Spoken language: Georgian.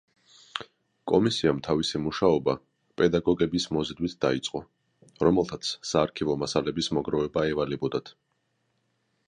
კომისიამ თავისი მუშაობა პედაგოგების მოზიდვით დაიწყო, რომელთაც საარქივო მასალების მოგროვება ევალებოდათ.